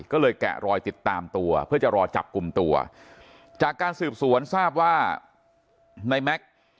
ก็เลยแกะรอยติดตามตัวเพื่อจะรอจับกลุ่มตัวจากการสืบสวนทราบว่าในแม็กซ์